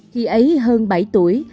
khi ấy hơn bảy tuổi